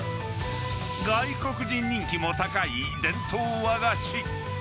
［外国人人気も高い伝統和菓子］